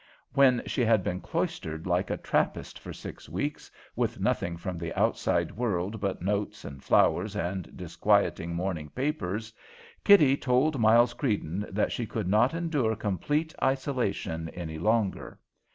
When she had been cloistered like a Trappist for six weeks, with nothing from the outside world but notes and flowers and disquieting morning papers, Kitty told Miles Creedon that she could not endure complete isolation any longer.